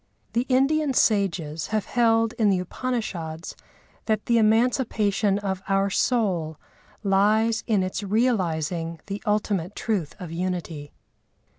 The Indian sages have held in the Upanishads that the emancipation of our soul lies in its realising the ultimate truth of unity.